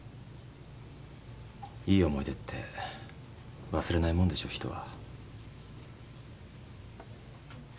いい思い出って忘れないもんでしょう人は？